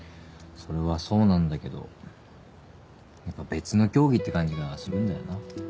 それはそうなんだけどやっぱ別の競技って感じがするんだよな。